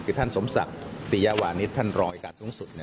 คือท่านสมศักดิ์ติยาวานิสท่านรองการสูงสุด